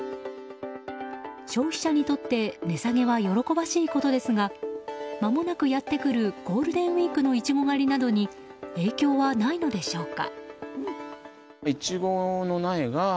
消費者にとって値下げは喜ばしいことですがまもなくやってくるゴールデンウィークのイチゴ狩りなどに影響はないのでしょうか。